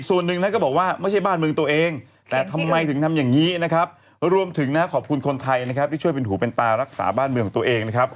ชอบสีไหนมากที่สุดดีที่สุด